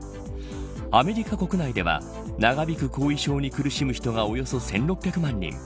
アメリカ国内では長引く後遺症に苦しむ人がおよそ１６００万人。